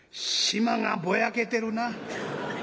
「縞がぼやけてるな」。